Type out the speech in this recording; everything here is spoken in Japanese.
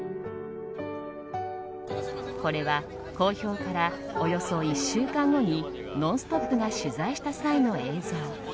これは公表からおよそ１週間後に「ノンストップ！」が取材した際の映像。